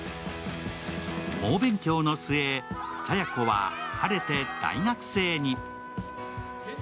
猛勉強の末、佐弥子は晴れて大学生に。